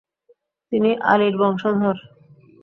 তিনি আলীর বংশধর।